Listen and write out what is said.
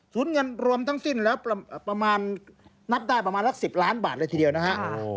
เงินรวมทั้งสิ้นแล้วประมาณนับได้ประมาณสัก๑๐ล้านบาทเลยทีเดียวนะฮะ